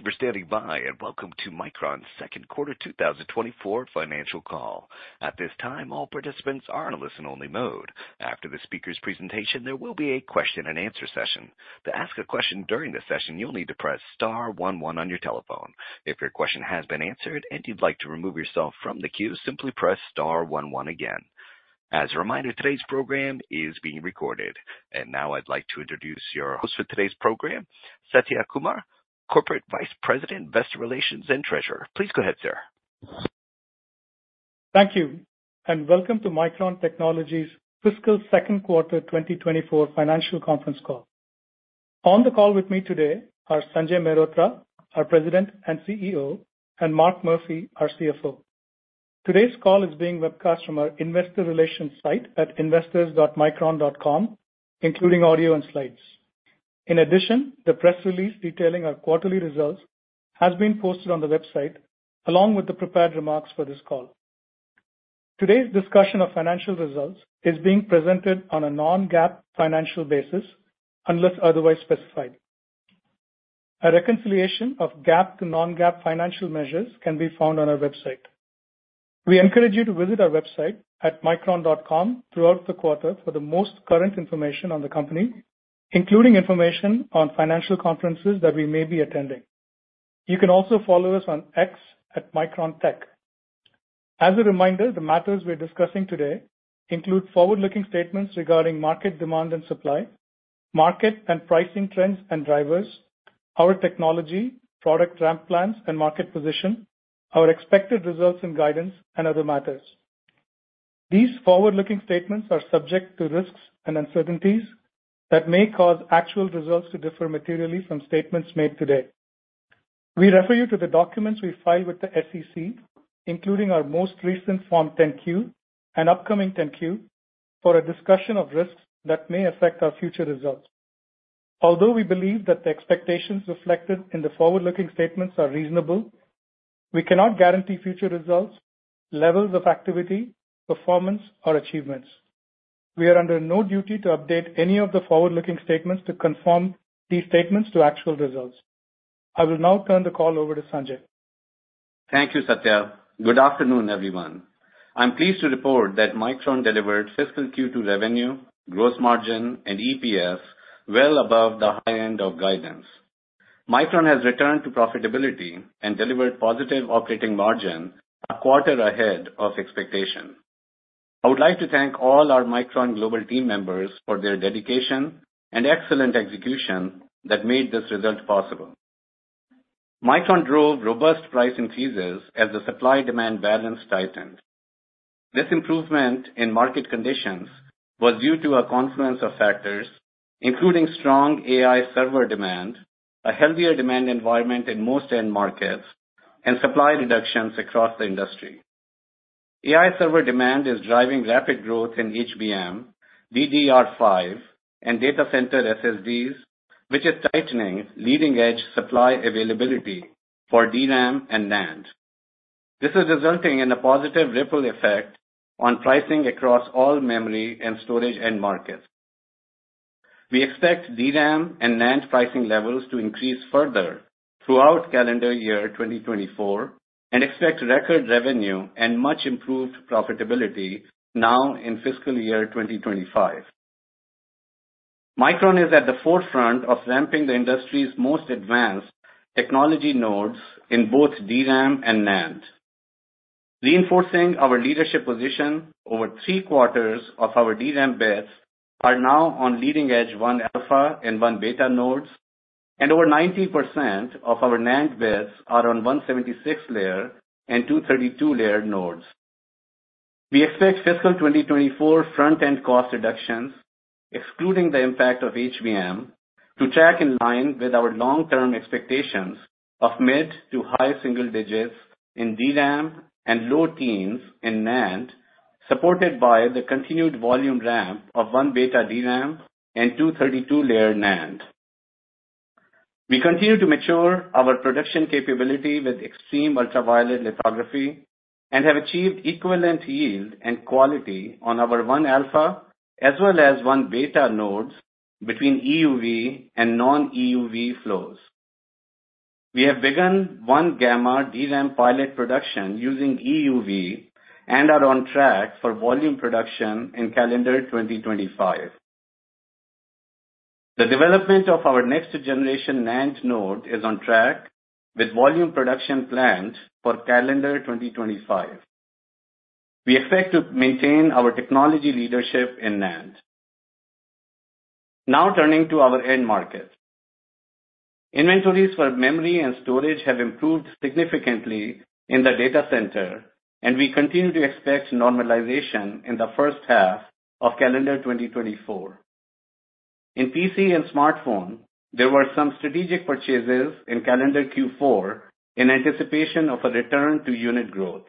Thank you for standing by and welcome to Micron's Second Quarter 2024 Financial Call. At this time, all participants are in a listen-only mode. After the speaker's presentation, there will be a question-and-answer session. To ask a question during the session, you'll need to press star one one on your telephone. If your question has been answered and you'd like to remove yourself from the queue, simply press star one one again. As a reminder, today's program is being recorded. Now I'd like to introduce your host for today's program, Satya Kumar, Corporate Vice President, Investor Relations, and Treasurer. Please go ahead, sir. Thank you, and welcome to Micron Technology's fiscal second quarter 2024 financial conference call. On the call with me today are Sanjay Mehrotra, our President and CEO, and Mark Murphy, our CFO. Today's call is being webcast from our investor relations site at investors.micron.com, including audio and slides. In addition, the press release detailing our quarterly results has been posted on the website, along with the prepared remarks for this call. Today's discussion of financial results is being presented on a non-GAAP financial basis, unless otherwise specified. A reconciliation of GAAP to non-GAAP financial measures can be found on our website. We encourage you to visit our website at micron.com throughout the quarter for the most current information on the company, including information on financial conferences that we may be attending. You can also follow us on X at Micron Tech. As a reminder, the matters we're discussing today include forward-looking statements regarding market demand and supply, market and pricing trends and drivers, our technology, product ramp plans, and market position, our expected results and guidance, and other matters. These forward-looking statements are subject to risks and uncertainties that may cause actual results to differ materially from statements made today. We refer you to the documents we file with the SEC, including our most recent Form 10-Q and upcoming 10-Q, for a discussion of risks that may affect our future results. Although we believe that the expectations reflected in the forward-looking statements are reasonable, we cannot guarantee future results, levels of activity, performance, or achievements. We are under no duty to update any of the forward-looking statements to conform these statements to actual results. I will now turn the call over to Sanjay. Thank you, Satya. Good afternoon, everyone. I'm pleased to report that Micron delivered fiscal Q2 revenue, gross margin, and EPS well above the high end of guidance. Micron has returned to profitability and delivered positive operating margin a quarter ahead of expectation. I would like to thank all our Micron Global team members for their dedication and excellent execution that made this result possible. Micron drove robust price increases as the supply-demand balance tightened. This improvement in market conditions was due to a confluence of factors, including strong AI server demand, a healthier demand environment in most end markets, and supply reductions across the industry. AI server demand is driving rapid growth in HBM, DDR5, and data center SSDs, which is tightening leading-edge supply availability for DRAM and NAND. This is resulting in a positive ripple effect on pricing across all memory and storage end markets. We expect DRAM and NAND pricing levels to increase further throughout calendar year 2024 and expect record revenue and much improved profitability now in fiscal year 2025. Micron is at the forefront of ramping the industry's most advanced technology nodes in both DRAM and NAND. Reinforcing our leadership position, over three quarters of our DRAM bits are now on leading-edge 1-alpha and 1-beta nodes, and over 90% of our NAND bits are on 176-layer and 232-layer nodes. We expect fiscal 2024 front-end cost reductions, excluding the impact of HBM, to track in line with our long-term expectations of mid to high single digits in DRAM and low teens in NAND, supported by the continued volume ramp of 1-Beta DRAM and 232-layer NAND. We continue to mature our production capability with extreme ultraviolet lithography and have achieved equivalent yield and quality on our 1-Alpha as well as 1-Beta nodes between EUV and non-EUV flows. We have begun 1-Gamma DRAM pilot production using EUV and are on track for volume production in calendar 2025. The development of our next-generation NAND node is on track with volume production planned for calendar 2025. We expect to maintain our technology leadership in NAND. Now turning to our end market. Inventories for memory and storage have improved significantly in the data center, and we continue to expect normalization in the first half of calendar 2024. In PC and smartphone, there were some strategic purchases in calendar Q4 in anticipation of a return to unit growth.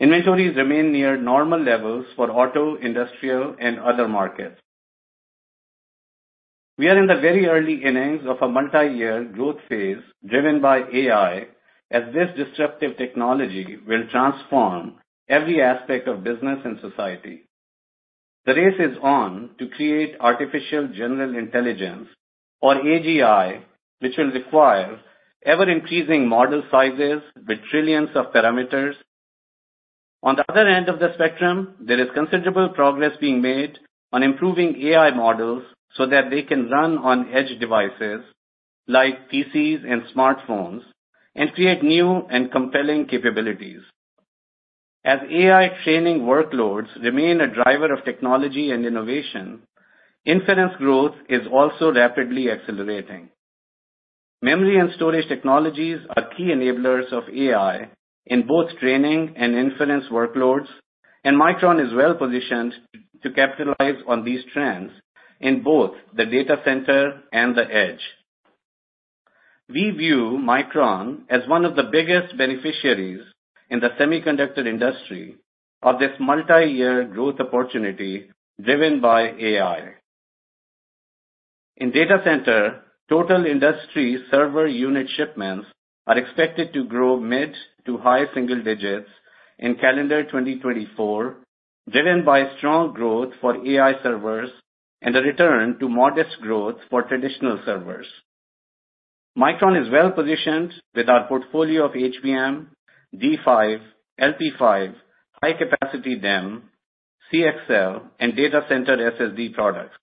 Inventories remain near normal levels for auto, industrial, and other markets. We are in the very early innings of a multi-year growth phase driven by AI, as this disruptive technology will transform every aspect of business and society. The race is on to create artificial general intelligence, or AGI, which will require ever-increasing model sizes with trillions of parameters. On the other end of the spectrum, there is considerable progress being made on improving AI models so that they can run on edge devices like PCs and smartphones and create new and compelling capabilities. As AI training workloads remain a driver of technology and innovation, inference growth is also rapidly accelerating. Memory and storage technologies are key enablers of AI in both training and inference workloads, and Micron is well positioned to capitalize on these trends in both the data center and the edge. We view Micron as one of the biggest beneficiaries in the semiconductor industry of this multi-year growth opportunity driven by AI. In data center, total industry server unit shipments are expected to grow mid to high single digits in calendar 2024, driven by strong growth for AI servers and a return to modest growth for traditional servers. Micron is well positioned with our portfolio of HBM, D5, LP5, High-Capacity DRAM, CXL, and data center SSD products.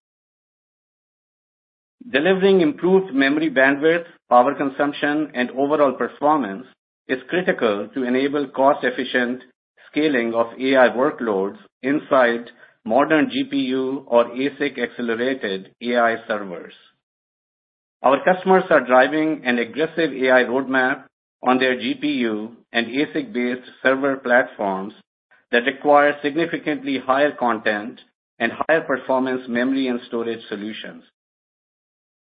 Delivering improved memory bandwidth, power consumption, and overall performance is critical to enable cost-efficient scaling of AI workloads inside modern GPU or ASIC-accelerated AI servers. Our customers are driving an aggressive AI roadmap on their GPU and ASIC-based server platforms that require significantly higher content and higher performance memory and storage solutions.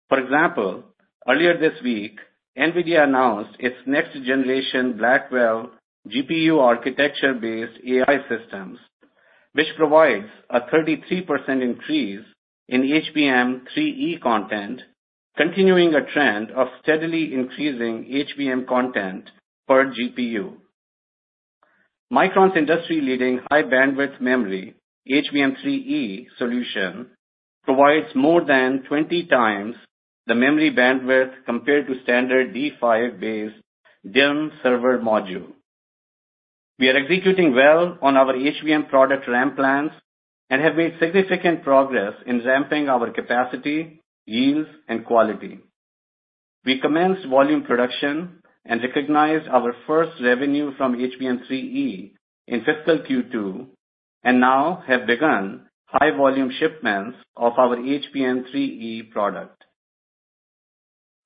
For example, earlier this week, NVIDIA announced its next-generation Blackwell GPU architecture-based AI systems, which provides a 33% increase in HBM3E content, continuing a trend of steadily increasing HBM content per GPU. Micron's industry-leading high-bandwidth memory HBM3E solution provides more than 20 times the memory bandwidth compared to standard D5-based DIMM server module. We are executing well on our HBM product ramp plans and have made significant progress in ramping our capacity, yields, and quality. We commenced volume production and recognized our first revenue from HBM3E in fiscal Q2 and now have begun high-volume shipments of our HBM3E product.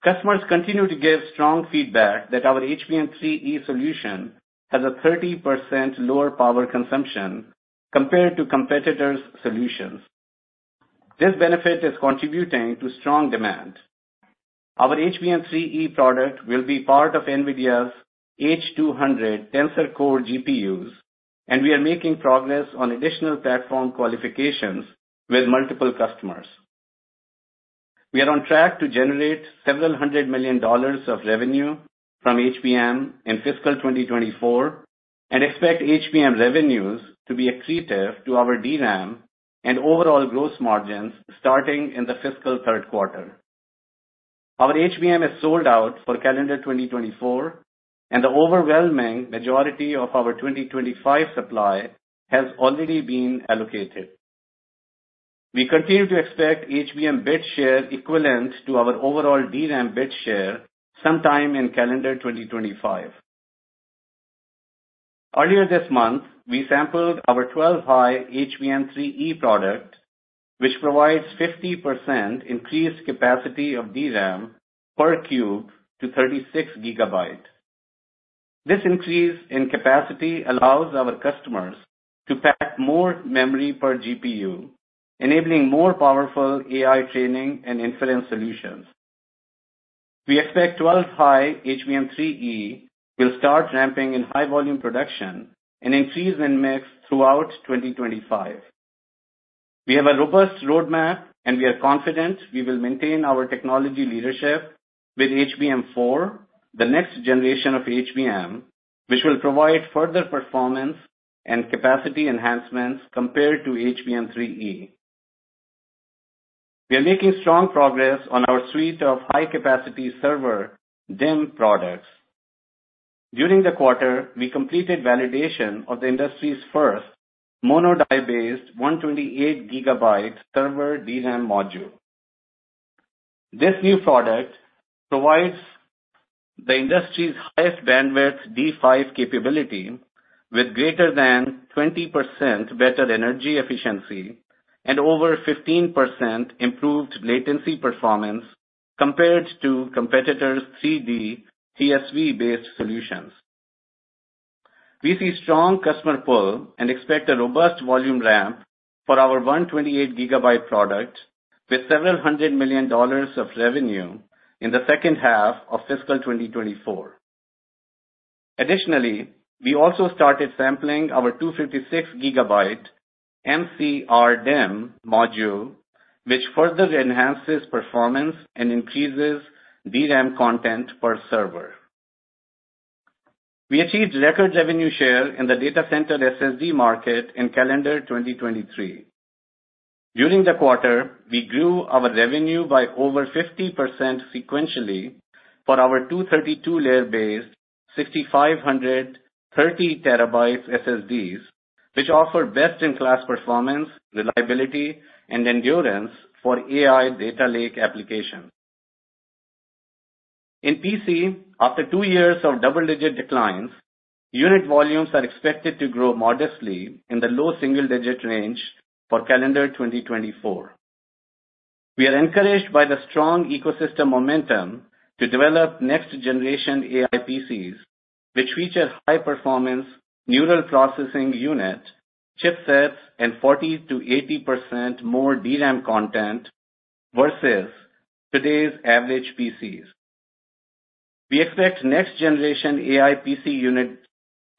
Customers continue to give strong feedback that our HBM3E solution has a 30% lower power consumption compared to competitors' solutions. This benefit is contributing to strong demand. Our HBM3E product will be part of NVIDIA's H200 Tensor Core GPUs, and we are making progress on additional platform qualifications with multiple customers. We are on track to generate $700 million of revenue from HBM in fiscal 2024 and expect HBM revenues to be accretive to our DRAM and overall gross margins starting in the fiscal third quarter. Our HBM is sold out for calendar 2024, and the overwhelming majority of our 2025 supply has already been allocated. We continue to expect HBM bit share equivalent to our overall DRAM bit share sometime in calendar 2025. Earlier this month, we sampled our 12-high HBM3E product, which provides 50% increased capacity of DRAM per cube to 36 GB. This increase in capacity allows our customers to pack more memory per GPU, enabling more powerful AI training and inference solutions. We expect 12-high HBM3E will start ramping in high-volume production and increase in mix throughout 2025. We have a robust roadmap, and we are confident we will maintain our technology leadership with HBM4, the next generation of HBM, which will provide further performance and capacity enhancements compared to HBM3E. We are making strong progress on our suite of high-capacity server DIMM products. During the quarter, we completed validation of the industry's first mono-die-based 128 GB server DRAM module. This new product provides the industry's highest bandwidth D5 capability with greater than 20% better energy efficiency and over 15% improved latency performance compared to competitors' 3D TSV-based solutions. We see strong customer pull and expect a robust volume ramp for our 128 GB product with $700 million of revenue in the second half of fiscal 2024. Additionally, we also started sampling our 256 GB MCRDIMM module, which further enhances performance and increases DRAM content per server. We achieved record revenue share in the data center SSD market in calendar 2023. During the quarter, we grew our revenue by over 50% sequentially for our 232-layer-based 6500 30-terabyte SSDs, which offer best-in-class performance, reliability, and endurance for AI data lake applications. In PC, after two years of double-digit declines, unit volumes are expected to grow modestly in the low single-digit range for calendar 2024. We are encouraged by the strong ecosystem momentum to develop next-generation AI PCs, which feature high-performance neural processing unit chipsets and 40%-80% more DRAM content versus today's average PCs. We expect next-generation AI PC units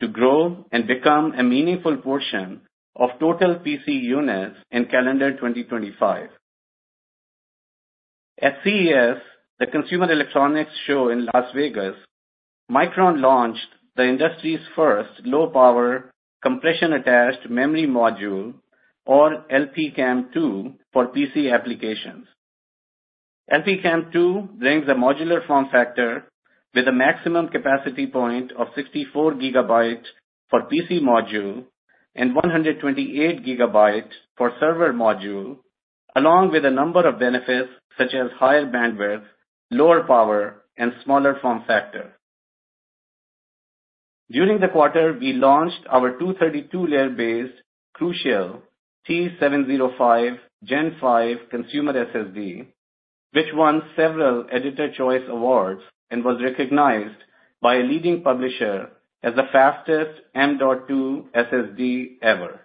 to grow and become a meaningful portion of total PC units in calendar 2025. At CES, the Consumer Electronics Show in Las Vegas, Micron launched the industry's first low-power, compression-attached memory module, or LPCAMM2, for PC applications. LPCAMM2 brings a modular form factor with a maximum capacity point of 64 GB for PC module and 128 GB for server module, along with a number of benefits such as higher bandwidth, lower power, and smaller form factor. During the quarter, we launched our 232-layer-based Crucial T705 Gen5 consumer SSD, which won several Editor's Choice Awards and was recognized by a leading publisher as the fastest M.2 SSD ever.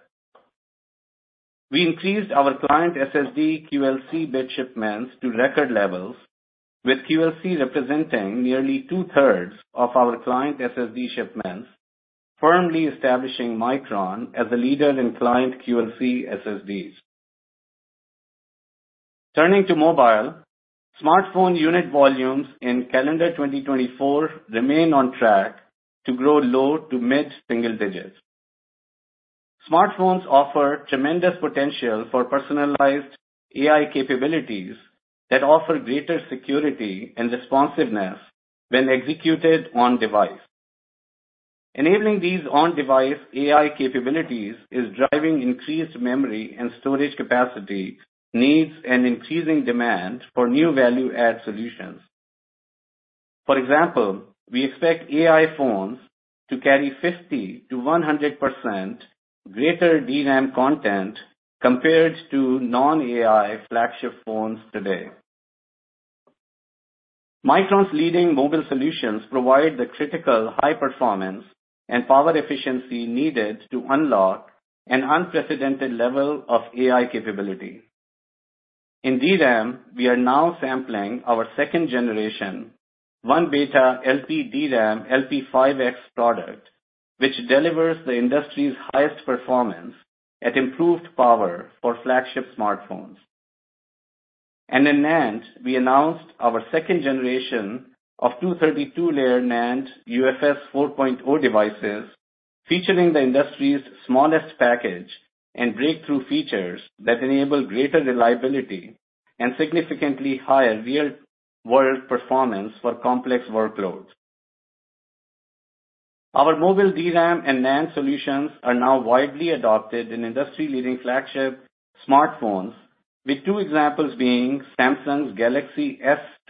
We increased our client SSD QLC bit shipments to record levels, with QLC representing nearly two-thirds of our client SSD shipments, firmly establishing Micron as a leader in client QLC SSDs. Turning to mobile, smartphone unit volumes in calendar 2024 remain on track to grow low- to mid-single digits. Smartphones offer tremendous potential for personalized AI capabilities that offer greater security and responsiveness when executed on-device. Enabling these on-device AI capabilities is driving increased memory and storage capacity needs and increasing demand for new value-add solutions. For example, we expect AI phones to carry 50%-100% greater DRAM content compared to non-AI flagship phones today. Micron's leading mobile solutions provide the critical high performance and power efficiency needed to unlock an unprecedented level of AI capability. In DRAM, we are now sampling our second-generation 1-Beta LPDRAM LPDDR5X product, which delivers the industry's highest performance at improved power for flagship smartphones. In NAND, we announced our second generation of 232-layer NAND UFS 4.0 devices featuring the industry's smallest package and breakthrough features that enable greater reliability and significantly higher real-world performance for complex workloads. Our mobile DRAM and NAND solutions are now widely adopted in industry-leading flagship smartphones, with two examples being Samsung's Galaxy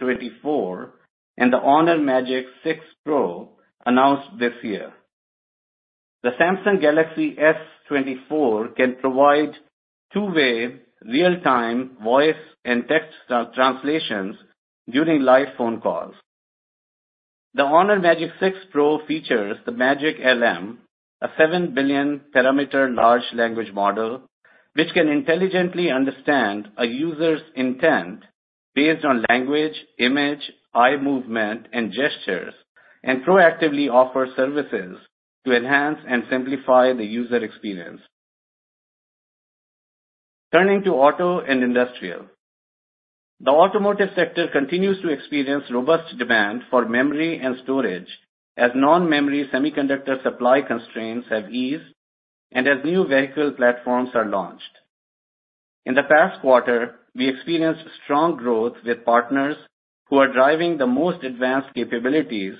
S24 and the HONOR Magic6 Pro announced this year. The Samsung Galaxy S24 can provide two-way real-time voice and text translations during live phone calls. The HONOR Magic6 Pro features the MagicLM, a 7-billion-parameter large language model, which can intelligently understand a user's intent based on language, image, eye movement, and gestures, and proactively offers services to enhance and simplify the user experience. Turning to auto and industrial. The automotive sector continues to experience robust demand for memory and storage as non-memory semiconductor supply constraints have eased and as new vehicle platforms are launched. In the past quarter, we experienced strong growth with partners who are driving the most advanced capabilities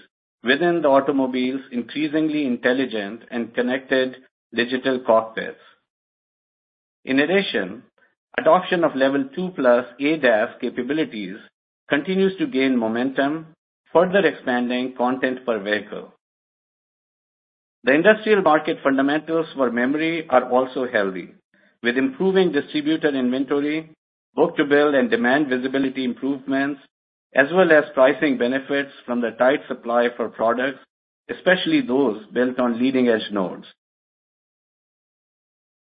within the automobile's increasingly intelligent and connected digital cockpits. In addition, adoption of Level 2+ ADAS capabilities continues to gain momentum, further expanding content per vehicle. The industrial market fundamentals for memory are also healthy, with improving distributor inventory, book-to-build, and demand visibility improvements, as well as pricing benefits from the tight supply for products, especially those built on leading-edge nodes.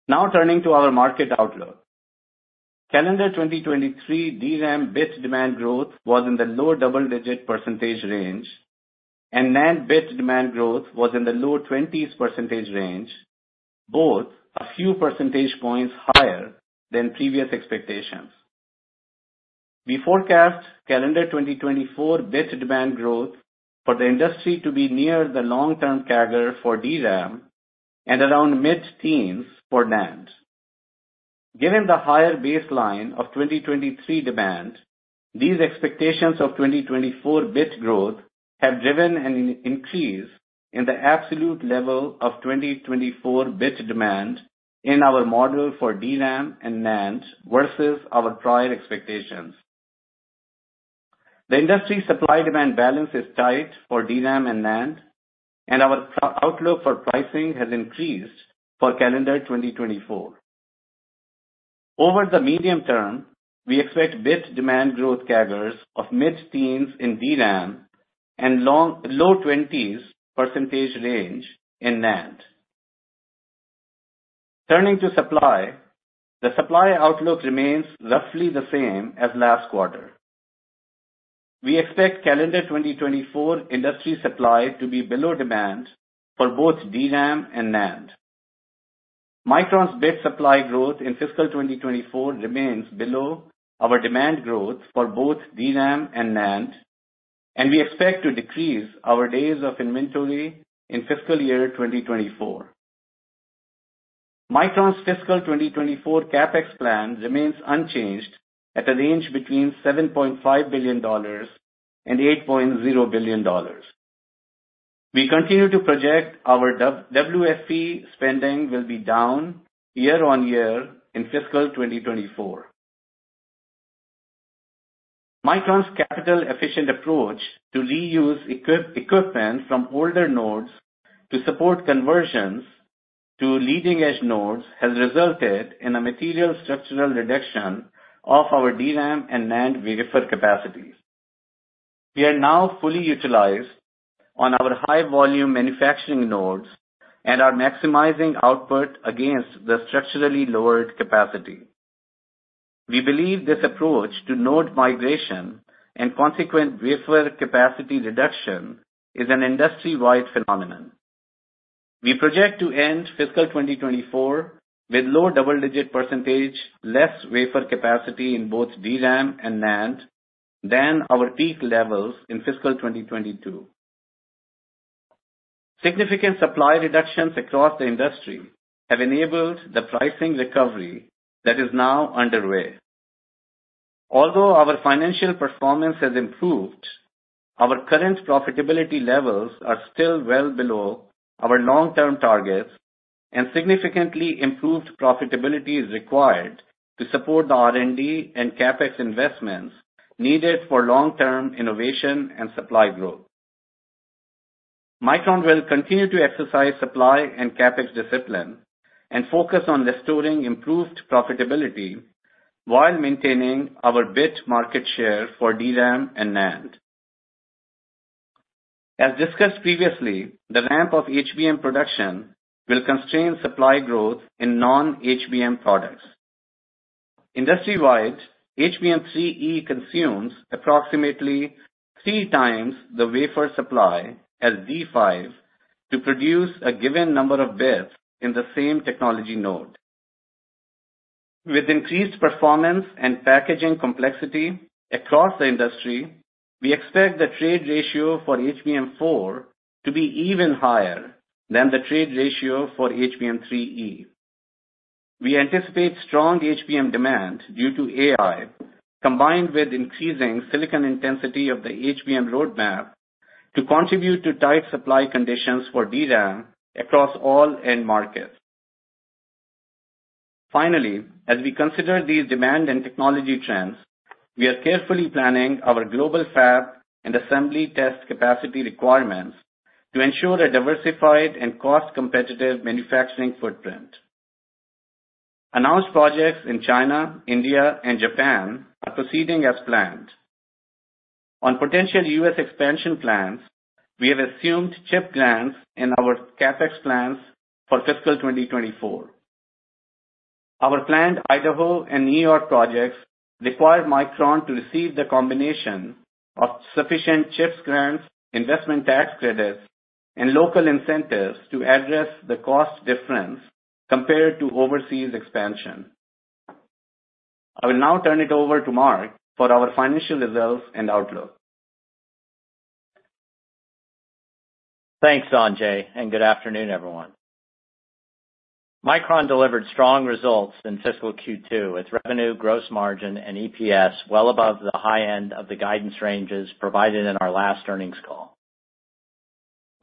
Now turning to our market outlook. Calendar 2023 DRAM bit demand growth was in the low double-digit % range, and NAND bit demand growth was in the low 20s % range, both a few percentage points higher than previous expectations. We forecast calendar 2024 bit demand growth for the industry to be near the long-term CAGR for DRAM and around mid-teens for NAND. Given the higher baseline of 2023 demand, these expectations of 2024 bit growth have driven an increase in the absolute level of 2024 bit demand in our model for DRAM and NAND versus our prior expectations. The industry supply-demand balance is tight for DRAM and NAND, and our outlook for pricing has increased for calendar 2024. Over the medium term, we expect bit demand growth CAGRs of mid-teens% in DRAM and low 20s% range in NAND. Turning to supply, the supply outlook remains roughly the same as last quarter. We expect calendar 2024 industry supply to be below demand for both DRAM and NAND. Micron's bit supply growth in fiscal 2024 remains below our demand growth for both DRAM and NAND, and we expect to decrease our days of inventory in fiscal year 2024. Micron's fiscal 2024 CapEx plan remains unchanged at a range between $7.5 billion and $8.0 billion. We continue to project our WFE spending will be down year-over-year in fiscal 2024. Micron's capital-efficient approach to reuse equipment from older nodes to support conversions to leading-edge nodes has resulted in a material structural reduction of our DRAM and NAND fab capacities. We are now fully utilized on our high-volume manufacturing nodes and are maximizing output against the structurally lowered capacity. We believe this approach to node migration and consequent fab capacity reduction is an industry-wide phenomenon. We project to end fiscal 2024 with low double-digit % less fab capacity in both DRAM and NAND than our peak levels in fiscal 2022. Significant supply reductions across the industry have enabled the pricing recovery that is now underway. Although our financial performance has improved, our current profitability levels are still well below our long-term targets, and significantly improved profitability is required to support the R&D and CapEx investments needed for long-term innovation and supply growth. Micron will continue to exercise supply and CapEx discipline and focus on restoring improved profitability while maintaining our bit market share for DRAM and NAND. As discussed previously, the ramp of HBM production will constrain supply growth in non-HBM products. Industry-wide, HBM3E consumes approximately three times the wafer supply as D5 to produce a given number of bits in the same technology node. With increased performance and packaging complexity across the industry, we expect the trade ratio for HBM4 to be even higher than the trade ratio for HBM3E. We anticipate strong HBM demand due to AI combined with increasing silicon intensity of the HBM roadmap to contribute to tight supply conditions for DRAM across all end markets. Finally, as we consider these demand and technology trends, we are carefully planning our global fab and assembly test capacity requirements to ensure a diversified and cost-competitive manufacturing footprint. Announced projects in China, India, and Japan are proceeding as planned. On potential U.S. expansion plans, we have assumed CHIPS grants in our CapEx plans for fiscal 2024. Our planned Idaho and New York projects require Micron to receive the combination of sufficient CHIPS grants, investment tax credits, and local incentives to address the cost difference compared to overseas expansion. I will now turn it over to Mark for our financial results and outlook. Thanks, Sanjay, and good afternoon, everyone. Micron delivered strong results in fiscal Q2 with revenue, gross margin, and EPS well above the high end of the guidance ranges provided in our last earnings call.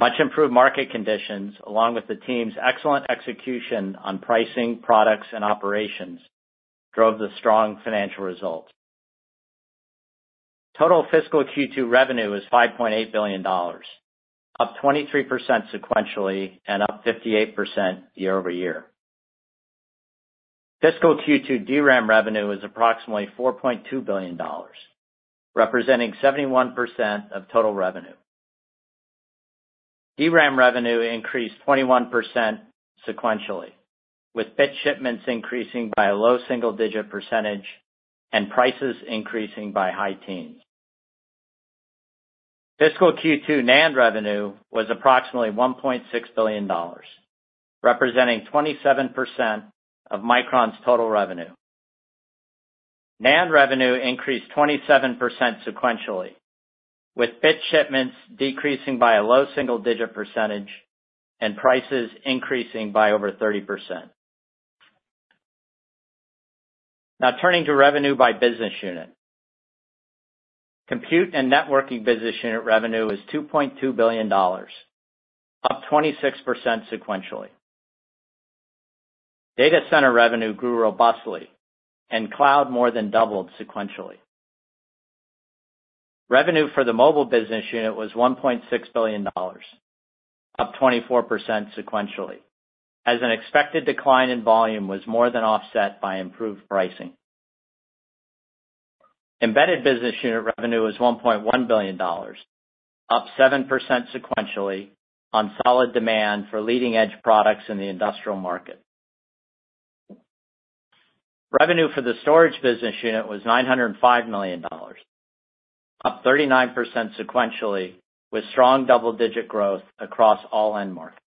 Much improved market conditions, along with the team's excellent execution on pricing, products, and operations, drove the strong financial results. Total fiscal Q2 revenue is $5.8 billion, up 23% sequentially and up 58% year-over-year. Fiscal Q2 DRAM revenue is approximately $4.2 billion, representing 71% of total revenue. DRAM revenue increased 21% sequentially, with bit shipments increasing by a low single-digit percentage and prices increasing by high teens. Fiscal Q2 NAND revenue was approximately $1.6 billion, representing 27% of Micron's total revenue. NAND revenue increased 27% sequentially, with bit shipments decreasing by a low single-digit percentage and prices increasing by over 30%. Now turning to revenue by business unit. Compute and networking business unit revenue is $2.2 billion, up 26% sequentially. Data center revenue grew robustly, and cloud more than doubled sequentially. Revenue for the mobile business unit was $1.6 billion, up 24% sequentially, as an expected decline in volume was more than offset by improved pricing. Embedded business unit revenue is $1.1 billion, up 7% sequentially on solid demand for leading-edge products in the industrial market. Revenue for the storage business unit was $905 million, up 39% sequentially with strong double-digit growth across all end markets.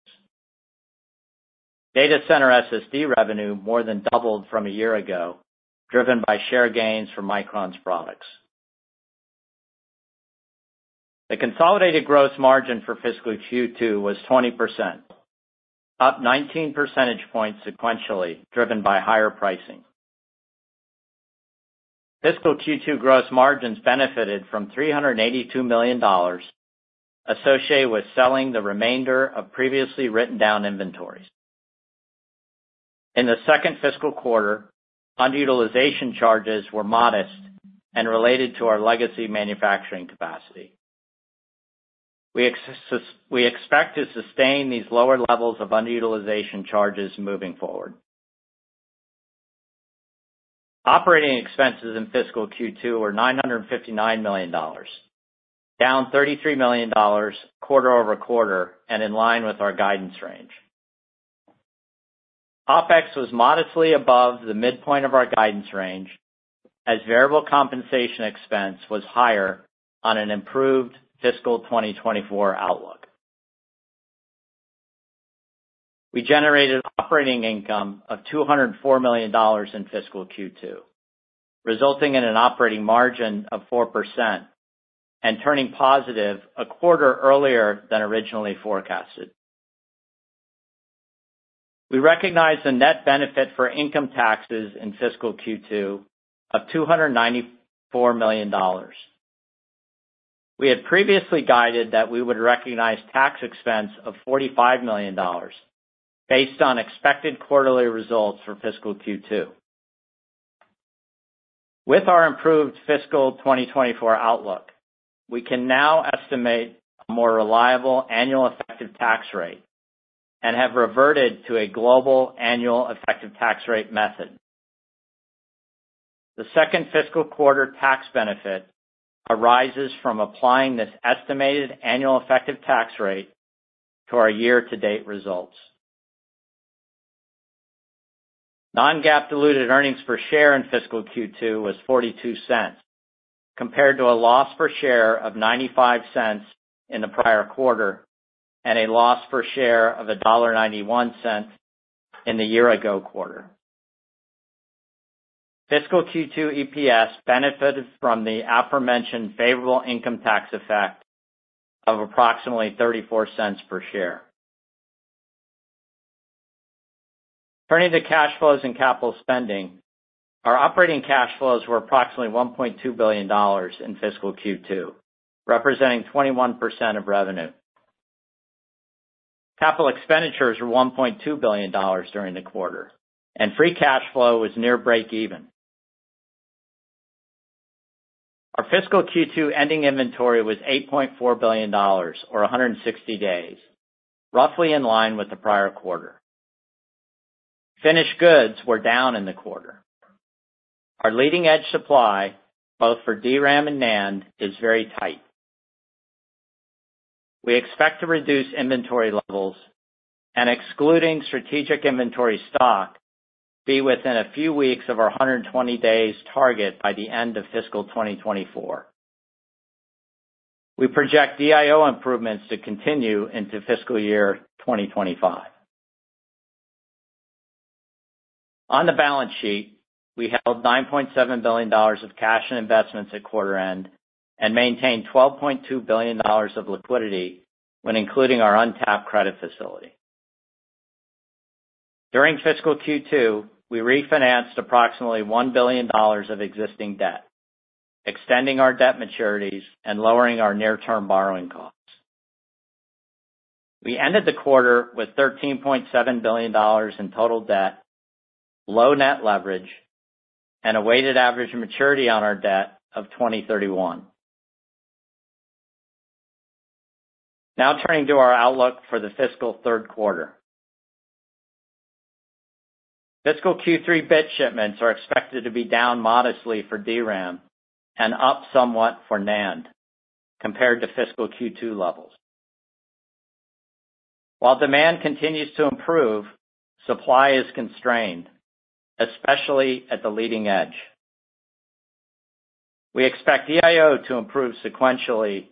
Data center SSD revenue more than doubled from a year ago, driven by share gains from Micron's products. The consolidated gross margin for fiscal Q2 was 20%, up 19 percentage points sequentially driven by higher pricing. Fiscal Q2 gross margins benefited from $382 million associated with selling the remainder of previously written-down inventories. In the second fiscal quarter, underutilization charges were modest and related to our legacy manufacturing capacity. We expect to sustain these lower levels of underutilization charges moving forward. Operating expenses in fiscal Q2 were $959 million, down $33 million quarter-over-quarter and in line with our guidance range. OpEx was modestly above the midpoint of our guidance range as variable compensation expense was higher on an improved fiscal 2024 outlook. We generated operating income of $204 million in fiscal Q2, resulting in an operating margin of 4% and turning positive a quarter earlier than originally forecasted. We recognized a net benefit for income taxes in fiscal Q2 of $294 million. We had previously guided that we would recognize tax expense of $45 million based on expected quarterly results for fiscal Q2. With our improved fiscal 2024 outlook, we can now estimate a more reliable annual effective tax rate and have reverted to a global annual effective tax rate method. The second fiscal quarter tax benefit arises from applying this estimated annual effective tax rate to our year-to-date results. Non-GAAP diluted earnings per share in fiscal Q2 was $0.42 compared to a loss per share of $0.95 in the prior quarter and a loss per share of $1.91 in the year-ago quarter. Fiscal Q2 EPS benefited from the aforementioned favorable income tax effect of approximately $0.34 per share. Turning to cash flows and capital spending, our operating cash flows were approximately $1.2 billion in fiscal Q2, representing 21% of revenue. Capital expenditures were $1.2 billion during the quarter, and free cash flow was near break-even. Our fiscal Q2 ending inventory was $8.4 billion or 160 days, roughly in line with the prior quarter. Finished goods were down in the quarter. Our leading-edge supply, both for DRAM and NAND, is very tight. We expect to reduce inventory levels, and excluding strategic inventory stock, be within a few weeks of our 120-days target by the end of fiscal 2024. We project DIO improvements to continue into fiscal year 2025. On the balance sheet, we held $9.7 billion of cash and investments at quarter end and maintained $12.2 billion of liquidity when including our untapped credit facility. During fiscal Q2, we refinanced approximately $1 billion of existing debt, extending our debt maturities and lowering our near-term borrowing costs. We ended the quarter with $13.7 billion in total debt, low net leverage, and a weighted average maturity on our debt of 2031. Now turning to our outlook for the fiscal third quarter. Fiscal Q3 bit shipments are expected to be down modestly for DRAM and up somewhat for NAND compared to fiscal Q2 levels. While demand continues to improve, supply is constrained, especially at the leading edge. We expect DIO to improve sequentially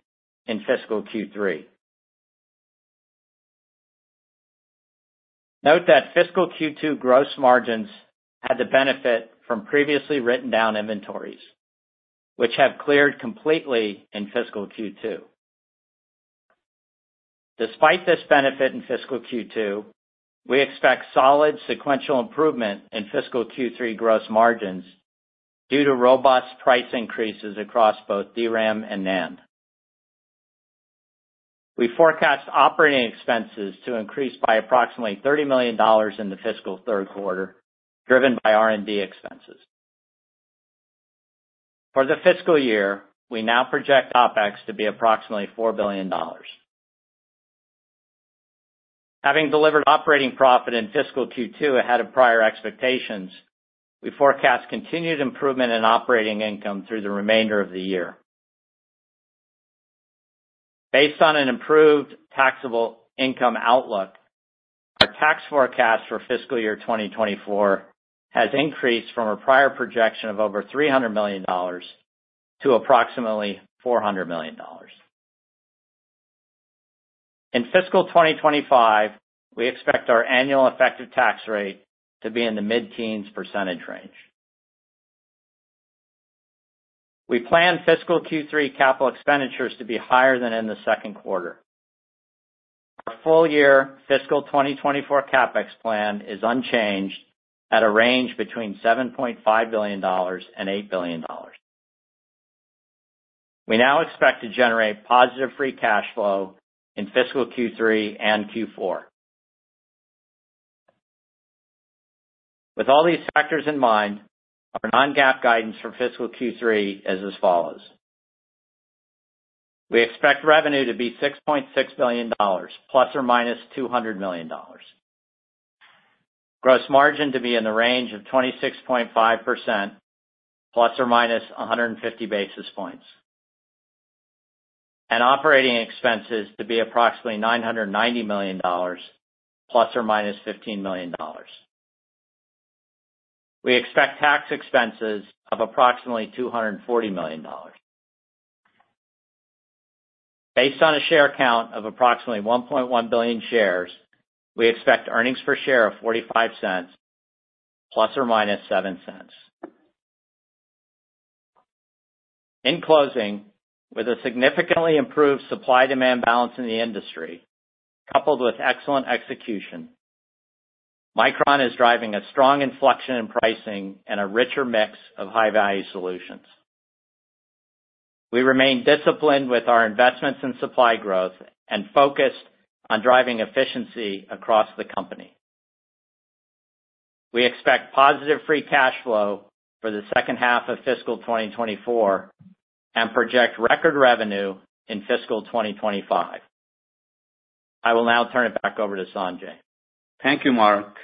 in fiscal Q3. Note that fiscal Q2 gross margins had the benefit from previously written-down inventories, which have cleared completely in fiscal Q2. Despite this benefit in fiscal Q2, we expect solid sequential improvement in fiscal Q3 gross margins due to robust price increases across both DRAM and NAND. We forecast operating expenses to increase by approximately $30 million in the fiscal third quarter, driven by R&D expenses. For the fiscal year, we now project OpEx to be approximately $4 billion. Having delivered operating profit in fiscal Q2 ahead of prior expectations, we forecast continued improvement in operating income through the remainder of the year. Based on an improved taxable income outlook, our tax forecast for fiscal year 2024 has increased from a prior projection of over $300 million to approximately $400 million. In fiscal 2025, we expect our annual effective tax rate to be in the mid-teens percentage range. We plan fiscal Q3 capital expenditures to be higher than in the second quarter. Our full-year fiscal 2024 CapEx plan is unchanged at a range between $7.5 billion and $8 billion. We now expect to generate positive free cash flow in fiscal Q3 and Q4. With all these factors in mind, our non-GAAP guidance for fiscal Q3 is as follows. We expect revenue to be $6.6 billion ± $200 million, gross margin to be in the range of 26.5% ± 150 basis points, and operating expenses to be approximately $990 million ± $15 million. We expect tax expenses of approximately $240 million. Based on a share count of approximately 1.1 billion shares, we expect earnings per share of $0.45 ± $0.07. In closing, with a significantly improved supply-demand balance in the industry coupled with excellent execution, Micron is driving a strong inflection in pricing and a richer mix of high-value solutions. We remain disciplined with our investments in supply growth and focused on driving efficiency across the company. We expect positive free cash flow for the second half of fiscal 2024 and project record revenue in fiscal 2025. I will now turn it back over to Sanjay. Thank you, Mark.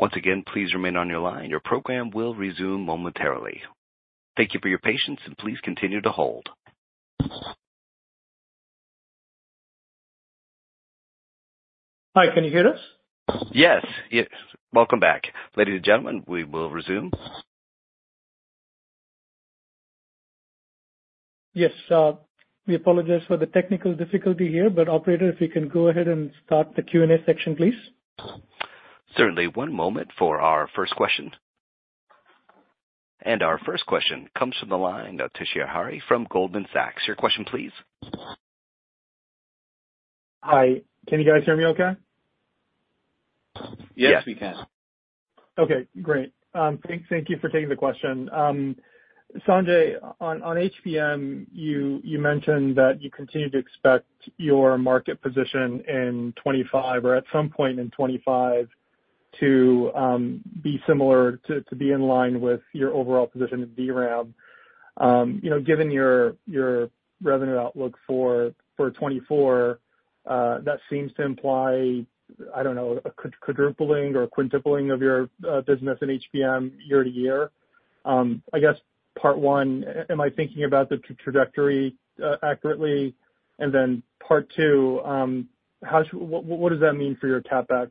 Hi. Can you hear us? Yes. Welcome back. Ladies and gentlemen, we will resume. Yes. We apologize for the technical difficulty here, but operator, if you can go ahead and start the Q&A section, please. Certainly. One moment for our first question. Our first question comes from the line, Toshiya Hari from Goldman Sachs. Your question, please. Hi. Can you guys hear me okay? Yes, we can. Okay. Great. Thank you for taking the question. Sanjay, on HBM, you mentioned that you continue to expect your market position in 2025 or at some point in 2025 to be similar to be in line with your overall position in DRAM. Given your revenue outlook for 2024, that seems to imply, I don't know, a quadrupling or a quintupling of your business in HBM year to year. I guess part one, am I thinking about the trajectory accurately? And then part two, what does that mean for your CapEx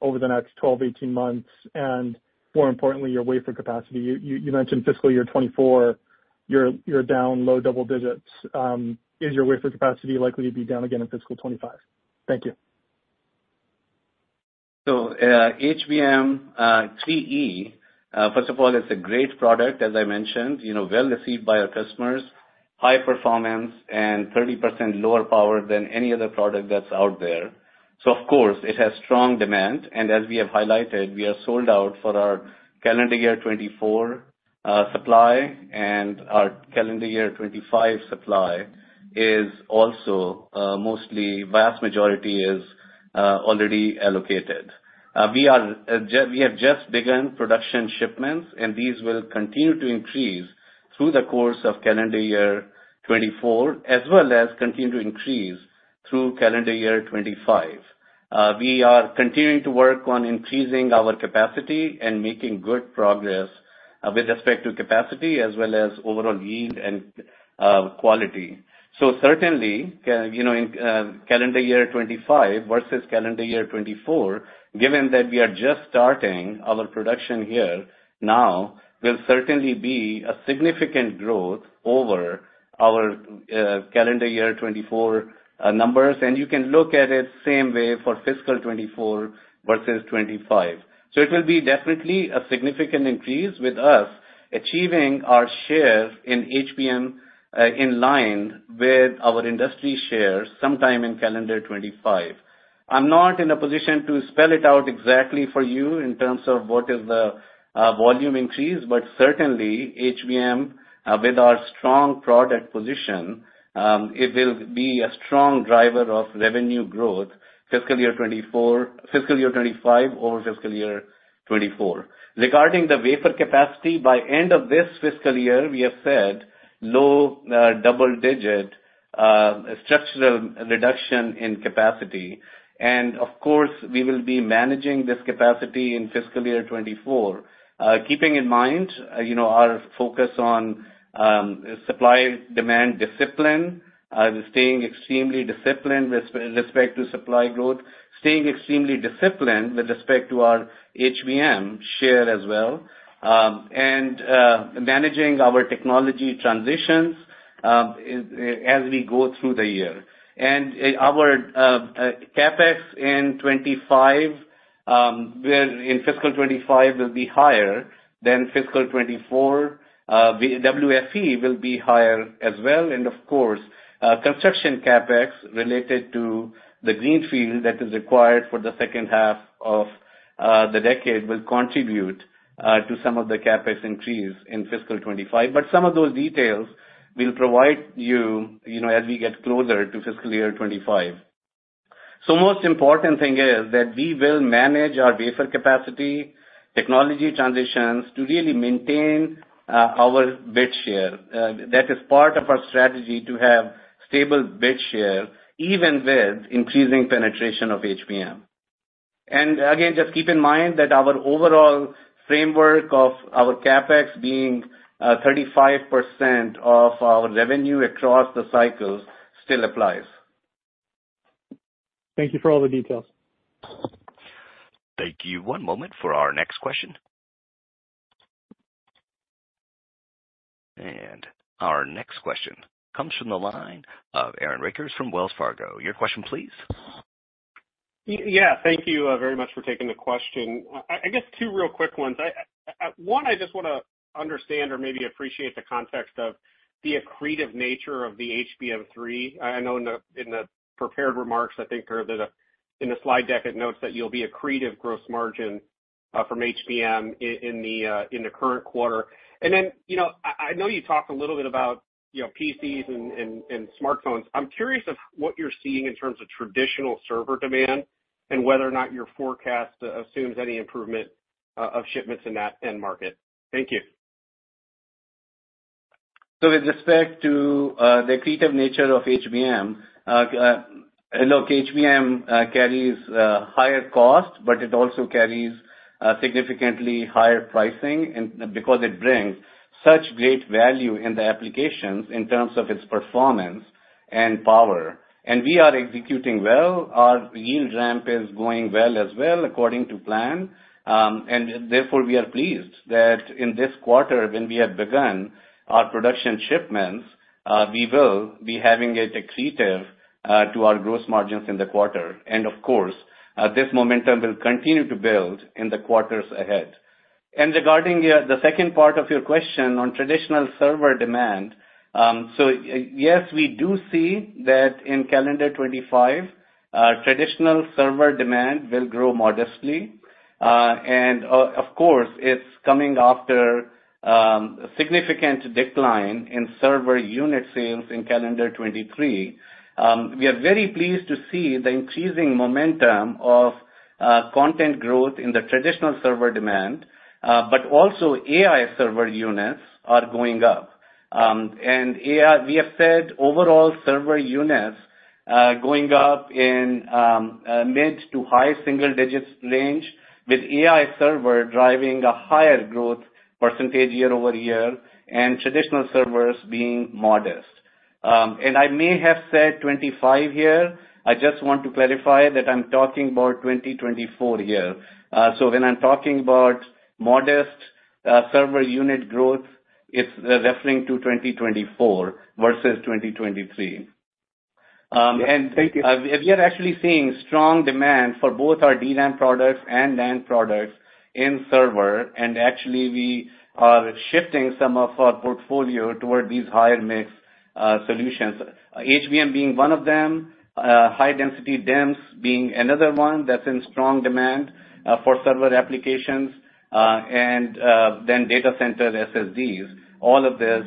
over the next 12, 18 months? And more importantly, your wafer capacity. You mentioned fiscal year 2024, you're down low double digits. Is your wafer capacity likely to be down again in fiscal 2025? Thank you. So HBM3E, first of all, it's a great product, as I mentioned, well-received by our customers, high performance, and 30% lower power than any other product that's out there. So of course, it has strong demand. As we have highlighted, we are sold out for our calendar year 2024 supply, and our calendar year 2025 supply is also mostly vast majority is already allocated. We have just begun production shipments, and these will continue to increase through the course of calendar year 2024 as well as continue to increase through calendar year 2025. We are continuing to work on increasing our capacity and making good progress with respect to capacity as well as overall yield and quality. So certainly, in calendar year 2025 versus calendar year 2024, given that we are just starting our production here now, there'll certainly be a significant growth over our calendar year 2024 numbers. And you can look at it same way for fiscal 2024 versus 2025. So it will be definitely a significant increase with us achieving our share in HBM in line with our industry share sometime in calendar 2025. I'm not in a position to spell it out exactly for you in terms of what is the volume increase, but certainly, HBM, with our strong product position, it will be a strong driver of revenue growth fiscal year 2024 fiscal year 2025 over fiscal year 2024. Regarding the wafer capacity, by end of this fiscal year, we have said low double-digit structural reduction in capacity. Of course, we will be managing this capacity in fiscal year 2024, keeping in mind our focus on supply-demand discipline, staying extremely disciplined with respect to supply growth, staying extremely disciplined with respect to our HBM share as well, and managing our technology transitions as we go through the year. Our CapEx in 2025 in fiscal 2025 will be higher than fiscal 2024. WFE will be higher as well. Of course, construction CapEx related to the greenfield that is required for the second half of the decade will contribute to some of the CapEx increase in fiscal 2025. But some of those details we'll provide you as we get closer to fiscal year 2025. Most important thing is that we will manage our wafer capacity, technology transitions to really maintain our bit share. That is part of our strategy to have stable bit share even with increasing penetration of HBM. Again, just keep in mind that our overall framework of our CapEx being 35% of our revenue across the cycles still applies. Thank you for all the details. Thank you. One moment for our next question. Our next question comes from the line of Aaron Rakers from Wells Fargo. Your question, please. Yeah. Thank you very much for taking the question. I guess two real quick ones. One, I just want to understand or maybe appreciate the context of the accretive nature of the HBM3. I know in the prepared remarks, I think there are in the slide deck it notes that you'll be accretive gross margin from HBM in the current quarter. And then I know you talked a little bit about PCs and smartphones. I'm curious of what you're seeing in terms of traditional server demand and whether or not your forecast assumes any improvement of shipments in that end market. Thank you. So with respect to the accretive nature of HBM, look, HBM carries higher cost, but it also carries significantly higher pricing because it brings such great value in the applications in terms of its performance and power. We are executing well. Our yield ramp is going well as well according to plan. Therefore, we are pleased that in this quarter, when we have begun our production shipments, we will be having it accretive to our gross margins in the quarter. Of course, this momentum will continue to build in the quarters ahead. Regarding the second part of your question on traditional server demand, so yes, we do see that in calendar 2025, traditional server demand will grow modestly. Of course, it's coming after a significant decline in server unit sales in calendar 2023. We are very pleased to see the increasing momentum of content growth in the traditional server demand, but also AI server units are going up. We have said overall server units going up in mid- to high single-digit range with AI server driving a higher growth percentage year-over-year and traditional servers being modest. I may have said 2025 here. I just want to clarify that I'm talking about 2024 here. So when I'm talking about modest server unit growth, it's referring to 2024 versus 2023. We are actually seeing strong demand for both our DRAM products and NAND products in server. Actually, we are shifting some of our portfolio toward these higher-mix solutions, HBM being one of them, high-density DIMMs being another one that's in strong demand for server applications, and then data center SSDs. All of this,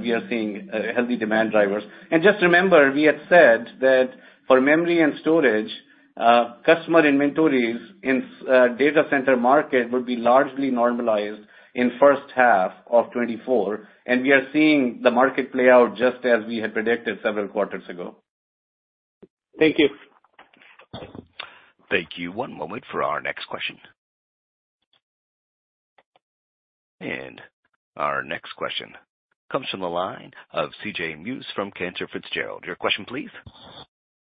we are seeing healthy demand drivers. Just remember, we had said that for memory and storage, customer inventories in data center market would be largely normalized in first half of 2024. We are seeing the market play out just as we had predicted several quarters ago. Thank you. Thank you. One moment for our next question. Our next question comes from the line of C.J. Muse from Cantor Fitzgerald. Your question, please.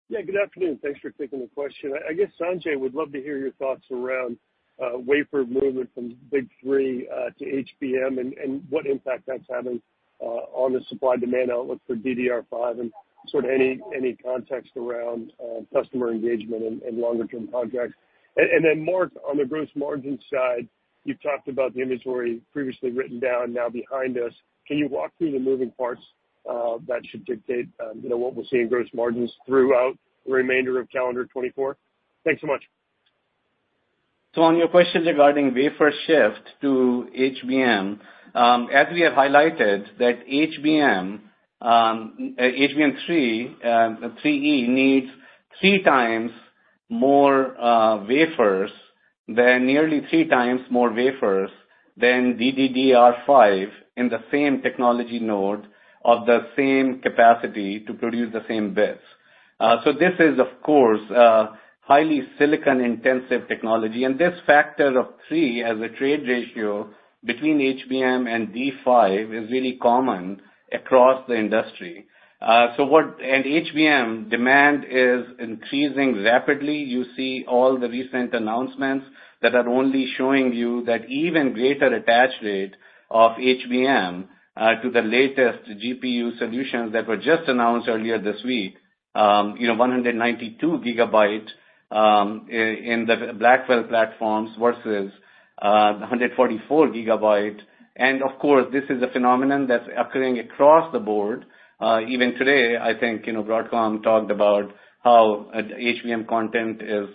Yeah. Good afternoon. Thanks for taking the question. I guess, Sanjay, would love to hear your thoughts around wafer movement from Big Three to HBM and what impact that's having on the supply-demand outlook for DDR5 and sort of any context around customer engagement and longer-term contracts. And then Mark, on the gross margin side, you've talked about the inventory previously written down, now behind us. Can you walk through the moving parts that should dictate what we'll see in gross margins throughout the remainder of calendar 2024? Thanks so much. So on your question regarding wafer shift to HBM, as we have highlighted, that HBM3E needs three times more wafers than DDR5 in the same technology node of the same capacity to produce the same bits. So this is, of course, highly silicon-intensive technology. And this factor of three as a trade ratio between HBM and D5 is really common across the industry. And HBM demand is increasing rapidly. You see all the recent announcements that are only showing you that even greater attach rate of HBM to the latest GPU solutions that were just announced earlier this week, 192 GB in the Blackwell platforms versus 144 GB. And of course, this is a phenomenon that's occurring across the board. Even today, I think Broadcom talked about how HBM content is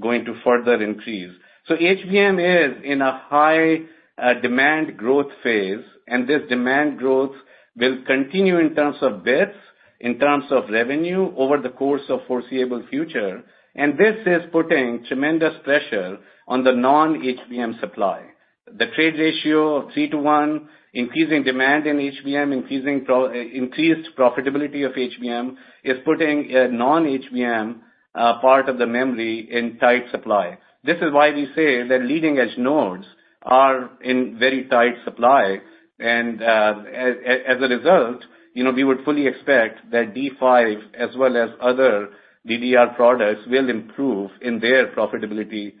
going to further increase. So HBM is in a high-demand growth phase. This demand growth will continue in terms of bits, in terms of revenue over the course of the foreseeable future. This is putting tremendous pressure on the non-HBM supply. The trade ratio of 3:1, increasing demand in HBM, increased profitability of HBM is putting non-HBM part of the memory in tight supply. This is why we say that leading-edge nodes are in very tight supply. As a result, we would fully expect that D5 as well as other DDR products will improve in their profitability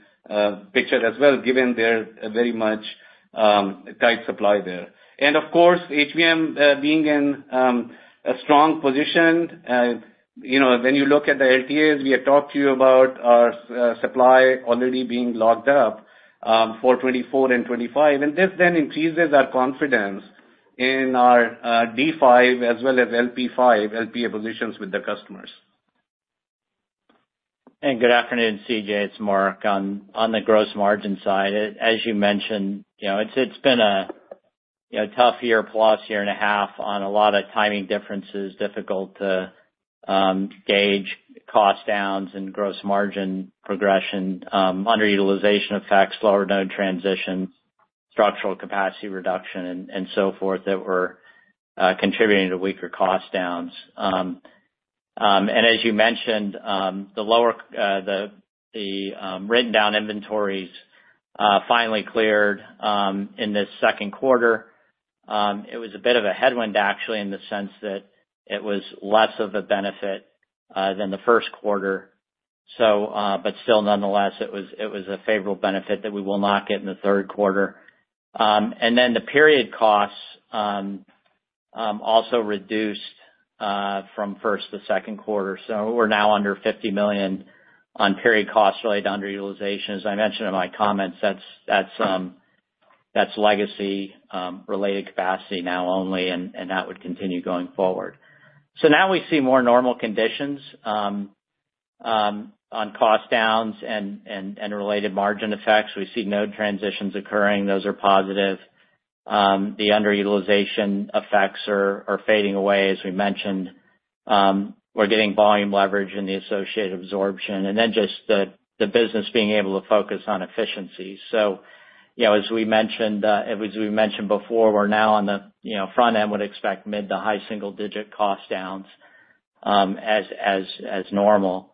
picture as well given their very much tight supply there. Of course, HBM being in a strong position, when you look at the LTAs, we have talked to you about our supply already being locked up for 2024 and 2025. This then increases our confidence in our D5 as well as LP5, LTA positions with the customers. Good afternoon, C.J. It's Mark on the gross margin side. As you mentioned, it's been a tough year plus year and a half on a lot of timing differences, difficult to gauge cost downs and gross margin progression, underutilization effects, lower node transitions, structural capacity reduction, and so forth that were contributing to weaker cost downs. As you mentioned, the written-down inventories finally cleared in this second quarter. It was a bit of a headwind actually in the sense that it was less of a benefit than the first quarter, but still nonetheless, it was a favorable benefit that we will not get in the third quarter. Then the period costs also reduced from first to second quarter. So we're now under $50 million on period costs related to underutilization. As I mentioned in my comments, that's legacy-related capacity now only, and that would continue going forward. So now we see more normal conditions on cost downs and related margin effects. We see node transitions occurring. Those are positive. The underutilization effects are fading away as we mentioned. We're getting volume leverage in the associated absorption and then just the business being able to focus on efficiencies. So as we mentioned as we mentioned before, we're now on the front end would expect mid to high single-digit cost downs as normal.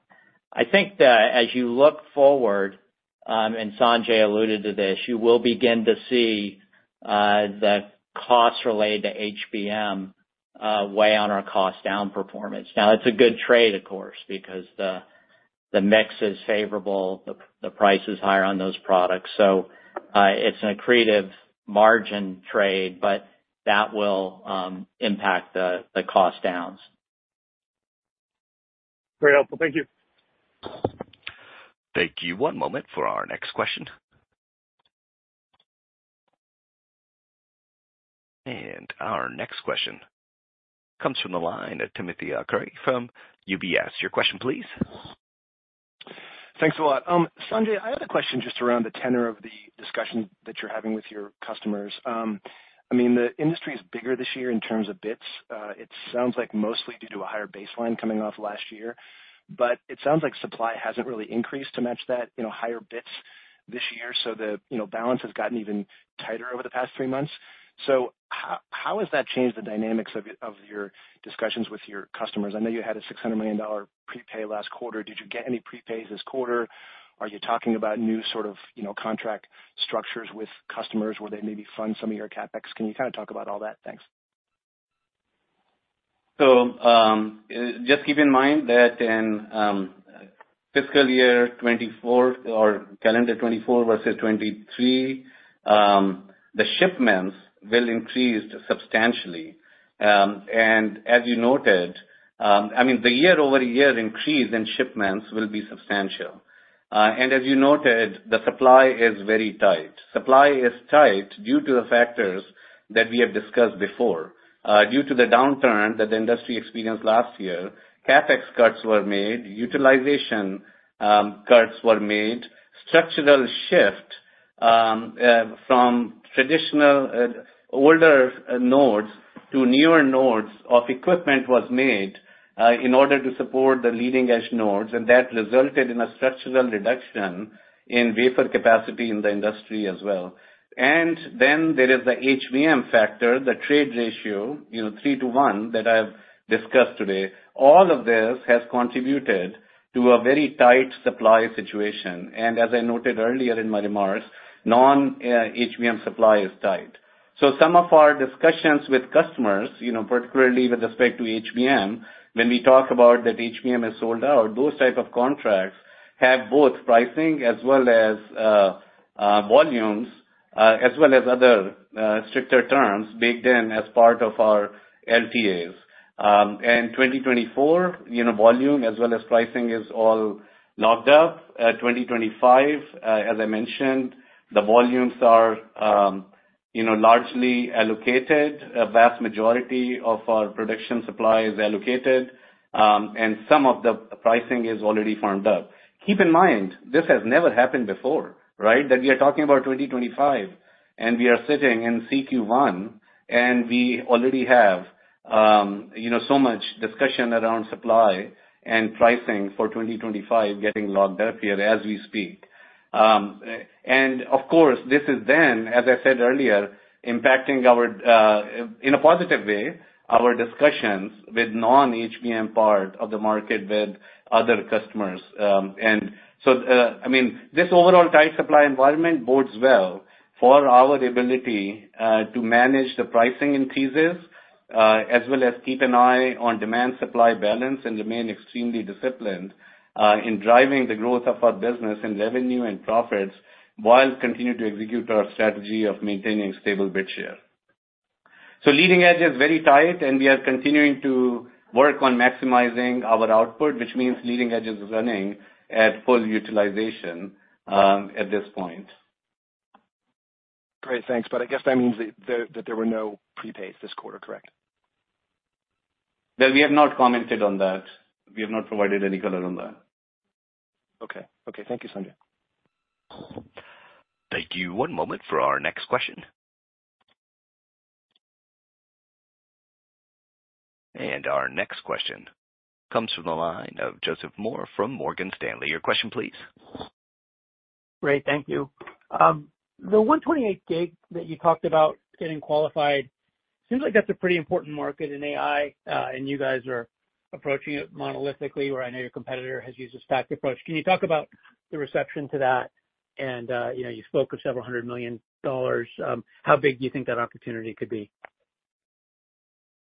I think that as you look forward, and Sanjay alluded to this, you will begin to see the costs related to HBM weigh on our cost down performance. Now, it's a good trade, of course, because the mix is favorable. The price is higher on those products. So it's an accretive margin trade, but that will impact the cost downs. Very helpful. Thank you. Thank you. One moment for our next question. Our next question comes from the line of Timothy Arcuri from UBS. Your question, please. Thanks a lot. Sanjay, I had a question just around the tenor of the discussion that you're having with your customers. I mean, the industry is bigger this year in terms of bits. It sounds like mostly due to a higher baseline coming off last year. But it sounds like supply hasn't really increased to match that higher bits this year. So the balance has gotten even tighter over the past three months. So how has that changed the dynamics of your discussions with your customers? I know you had a $600 million prepay last quarter. Did you get any prepays this quarter? Are you talking about new sort of contract structures with customers where they maybe fund some of your CapEx? Can you kind of talk about all that? Thanks. So just keep in mind that in fiscal year 2024 or calendar 2024 versus 2023, the shipments will increase substantially. And as you noted, I mean, the year-over-year increase in shipments will be substantial. And as you noted, the supply is very tight. Supply is tight due to the factors that we have discussed before. Due to the downturn that the industry experienced last year, CapEx cuts were made, utilization cuts were made, structural shift from traditional older nodes to newer nodes of equipment was made in order to support the leading-edge nodes. And that resulted in a structural reduction in wafer capacity in the industry as well. And then there is the HBM factor, the trade ratio 3:1 that I have discussed today. All of this has contributed to a very tight supply situation. And as I noted earlier in my remarks, non-HBM supply is tight. So some of our discussions with customers, particularly with respect to HBM, when we talk about that HBM is sold out, those types of contracts have both pricing as well as volumes as well as other stricter terms baked in as part of our LTAs. And 2024, volume as well as pricing is all locked up. 2025, as I mentioned, the volumes are largely allocated. A vast majority of our production supply is allocated. And some of the pricing is already firmed up. Keep in mind, this has never happened before, right, that we are talking about 2025, and we are sitting in CQ1, and we already have so much discussion around supply and pricing for 2025 getting locked up here as we speak. And of course, this is then, as I said earlier, impacting in a positive way our discussions with non-HBM part of the market with other customers. And so I mean, this overall tight supply environment bodes well for our ability to manage the pricing increases as well as keep an eye on demand-supply balance and remain extremely disciplined in driving the growth of our business and revenue and profits while continuing to execute our strategy of maintaining stable bid share. So leading edge is very tight, and we are continuing to work on maximizing our output, which means leading edge is running at full utilization at this point. Great. Thanks. But I guess that means that there were no prepays this quarter, correct? Well, we have not commented on that. We have not provided any color on that. Okay. Okay. Thank you, Sanjay. Thank you. One moment for our next question. Our next question comes from the line of Joseph Moore from Morgan Stanley. Your question, please. Great. Thank you. The 128 gig that you talked about getting qualified, it seems like that's a pretty important market in AI. And you guys are approaching it monolithically where I know your competitor has used a stacked approach. Can you talk about the reception to that? And you spoke of $700 million. How big do you think that opportunity could be?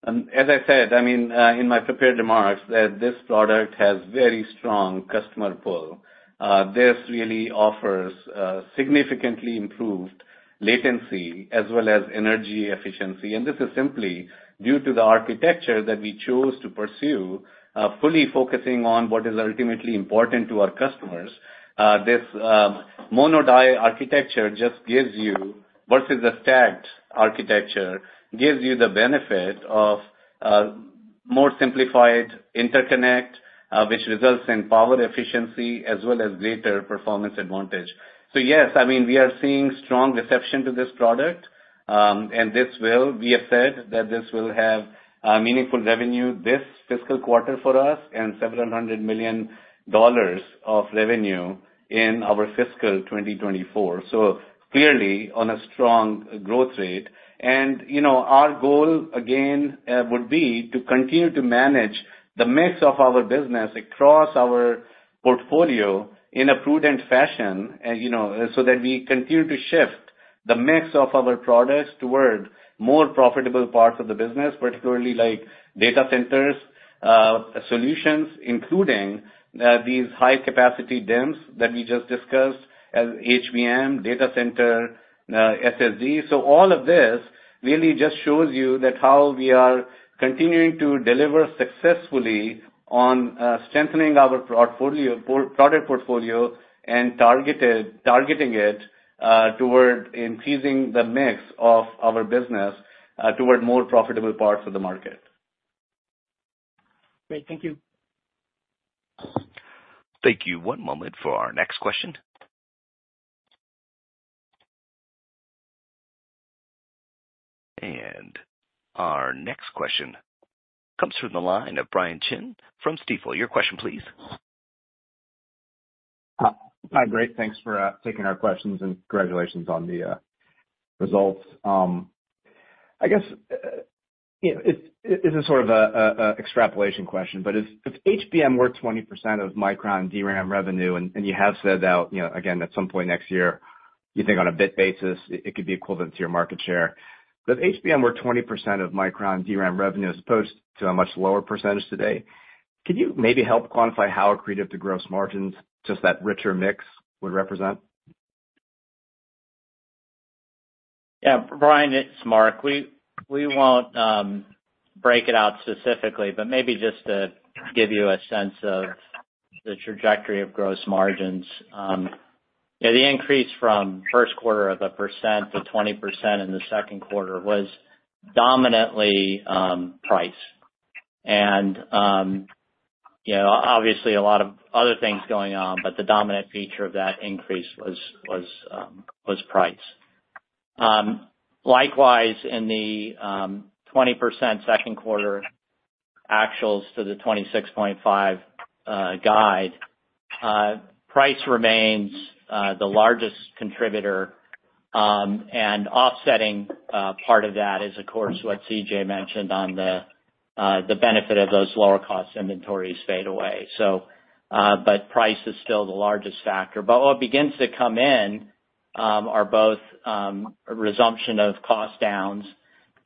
As I said, I mean, in my prepared remarks, this product has very strong customer pull. This really offers significantly improved latency as well as energy efficiency. This is simply due to the architecture that we chose to pursue, fully focusing on what is ultimately important to our customers. This mono-die architecture just gives you versus the stacked architecture gives you the benefit of more simplified interconnect, which results in power efficiency as well as greater performance advantage. Yes, I mean, we are seeing strong reception to this product. We have said that this will have meaningful revenue this fiscal quarter for us and $700 million of revenue in our fiscal 2024. Clearly, on a strong growth rate. Our goal, again, would be to continue to manage the mix of our business across our portfolio in a prudent fashion so that we continue to shift the mix of our products toward more profitable parts of the business, particularly data center solutions, including these high-capacity DIMMs that we just discussed as HBM, data center SSD. All of this really just shows you how we are continuing to deliver successfully on strengthening our product portfolio and targeting it toward increasing the mix of our business toward more profitable parts of the market. Great. Thank you. Thank you. One moment for our next question. Our next question comes from the line of Brian Chin from Stifel. Your question, please. Hi. Great. Thanks for taking our questions, and congratulations on the results. I guess this is sort of an extrapolation question. But if HBM were 20% of Micron DRAM revenue, and you have said that, again, at some point next year, you think on a bit basis, it could be equivalent to your market share, but if HBM were 20% of Micron DRAM revenue as opposed to a much lower percentage today, could you maybe help quantify how accretive the gross margins just that richer mix would represent? Yeah. Brian, it's Mark. We won't break it out specifically, but maybe just to give you a sense of the trajectory of gross margins. The increase from first quarter of a percent to 20% in the second quarter was dominantly price. And obviously, a lot of other things going on, but the dominant feature of that increase was price. Likewise, in the 20% second quarter actuals to the 26.5 guide, price remains the largest contributor. And offsetting part of that is, of course, what C.J. mentioned on the benefit of those lower-cost inventories fade away. But price is still the largest factor. But what begins to come in are both resumption of cost downs.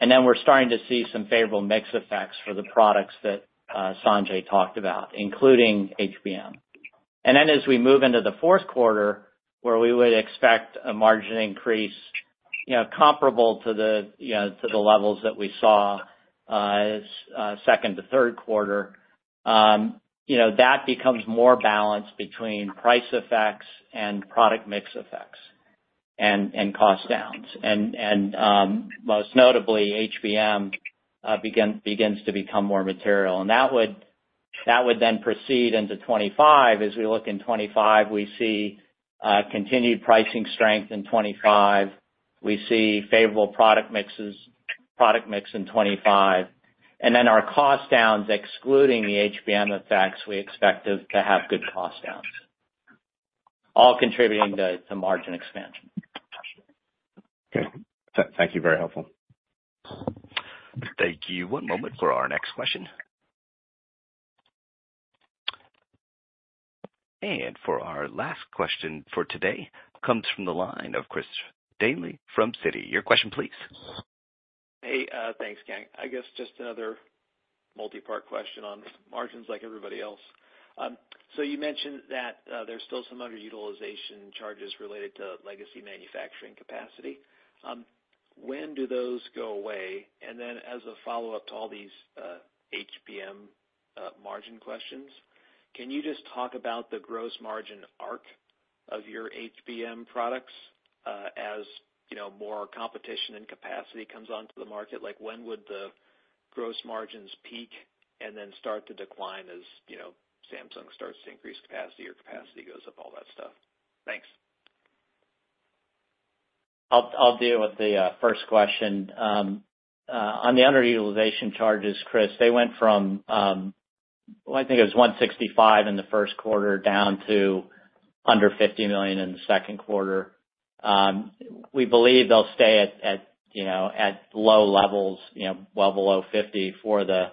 And then we're starting to see some favorable mix effects for the products that Sanjay talked about, including HBM. Then as we move into the fourth quarter, where we would expect a margin increase comparable to the levels that we saw second to third quarter, that becomes more balanced between price effects and product mix effects and cost downs. And most notably, HBM begins to become more material. And that would then proceed into 2025. As we look in 2025, we see continued pricing strength in 2025. We see favorable product mix in 2025. And then our cost downs, excluding the HBM effects, we expect to have good cost downs, all contributing to margin expansion. Okay. Thank you. Very helpful. Thank you. One moment for our next question. For our last question for today comes from the line of Chris Danely from Citi. Your question, please. Hey. Thanks, guys. I guess just another multi-part question on margins like everybody else. So you mentioned that there's still some underutilization charges related to legacy manufacturing capacity. When do those go away? And then as a follow-up to all these HBM margin questions, can you just talk about the gross margin arc of your HBM products as more competition and capacity comes onto the market? When would the gross margins peak and then start to decline as Samsung starts to increase capacity or capacity goes up, all that stuff? Thanks. I'll deal with the first question. On the underutilization charges, Chris, they went from, well, I think it was $165 million in the first quarter down to under $50 million in the second quarter. We believe they'll stay at low levels, well below $50 million for the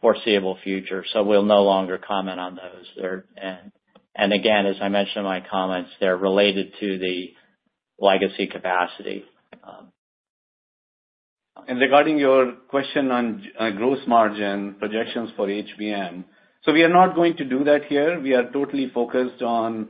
foreseeable future. So we'll no longer comment on those. And again, as I mentioned in my comments, they're related to the legacy capacity. Regarding your question on gross margin projections for HBM, we are not going to do that here. We are totally focused on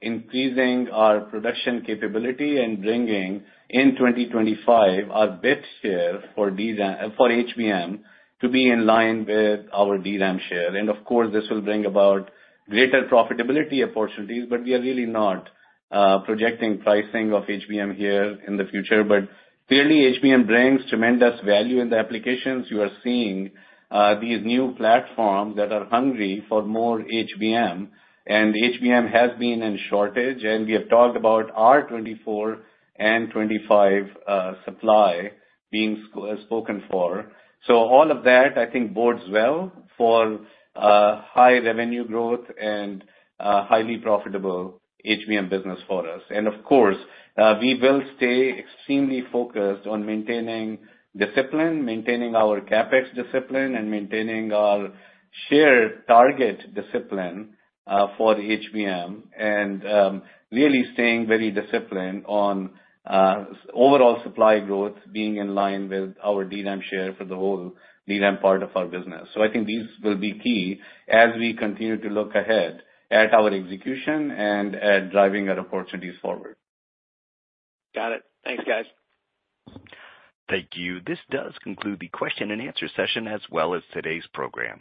increasing our production capability and bringing in 2025 our bit share for HBM to be in line with our DRAM share. Of course, this will bring about greater profitability opportunities, but we are really not projecting pricing of HBM here in the future. Clearly, HBM brings tremendous value in the applications. You are seeing these new platforms that are hungry for more HBM. HBM has been in shortage. We have talked about our 2024 and 2025 supply being spoken for. All of that, I think, bodes well for high revenue growth and highly profitable HBM business for us. Of course, we will stay extremely focused on maintaining discipline, maintaining our CapEx discipline, and maintaining our share target discipline for HBM and really staying very disciplined on overall supply growth, being in line with our DRAM share for the whole DRAM part of our business. So I think these will be key as we continue to look ahead at our execution and at driving our opportunities forward. Got it. Thanks, guys. Thank you. This does conclude the question-and-answer session as well as today's program.